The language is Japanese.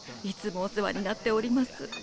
いつもお世話になっております。